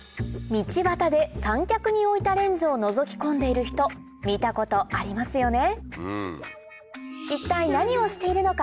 道端で三脚に置いたレンズをのぞき込んでいる人見たことありますよね？